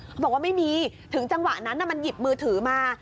บอกว่าไม่มีถึงจังหวะนั้นมันหยิบมือถือมา